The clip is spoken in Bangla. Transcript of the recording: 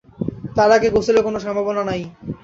তার আগে গোসলের কোনো সম্ভাবনা নেই।